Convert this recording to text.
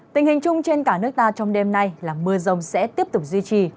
tình hình chung trên cả nước ta trong đêm nay là mưa rông sẽ tiếp tục duy trì